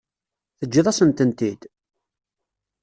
Teǧǧiḍ-asen-tent-id?